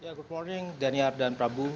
good morning dania dan prabu